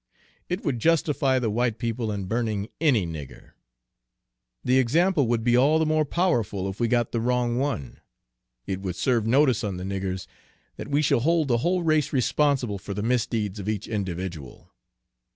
It would justify the white people in burning any nigger. The example would be all the more powerful if we got the wrong one. It would serve notice on the niggers that we shall hold the whole race responsible for the misdeeds of each individual."